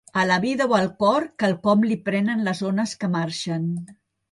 A la vida o al cor quelcom li prenen les ones que marxen.